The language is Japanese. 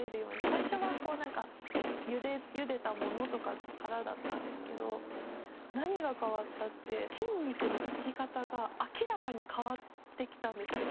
最初はこう何かゆでたものとかからだったんですけど何が変わったって筋肉のつき方が明らかに変わってきたんですよ。